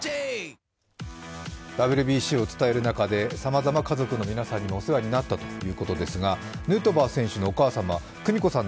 ＷＢＣを伝える中でさまざま、家族の皆さんにもお世話になったということですが、ヌートバー選手のお母様久美子さん